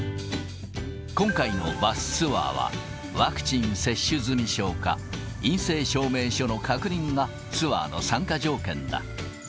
今回のバスツアーは、ワクチン接種済証か、陰性証明書の確認がツアーの参加条件だ。